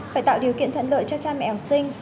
phải tạo điều kiện thuận lợi cho cha mẹ học sinh